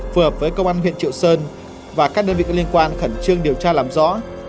phù hợp với công an huyện triệu sơn và các đơn vị liên quan khẩn trương điều tra làm rõ